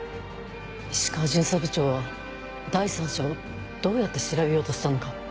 石川巡査部長は第三者をどうやって調べようとしたのか。